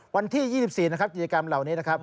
วันที่๒๔นะครับกิจกรรมเหล่านี้นะครับ